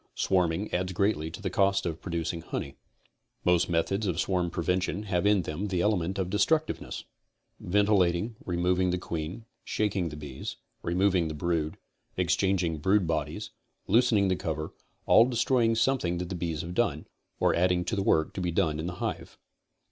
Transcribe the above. Swarming adds greatly to the cost of producing honey. Most methods of swarm prevention have in them the element of destructiyeness. Ventilating, removing the queen, shaking the bees, removing the brood, exchanging brood bodies, loosening the cover, all destroying something that the bees have done, or adding to the work to be done in the hive.